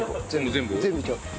全部いっちゃおう。